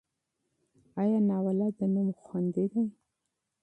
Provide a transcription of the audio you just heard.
ایا مستعار نوم خوندي دی؟